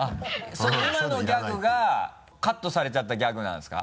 今のギャグがカットされちゃったギャグなんですか？